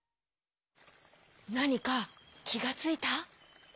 なにかきがついた？